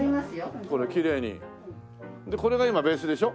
でこれが今ベースでしょ？